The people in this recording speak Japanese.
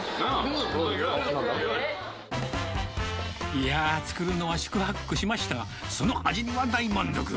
いやー、作るのは四苦八苦しましたが、その味には大満足。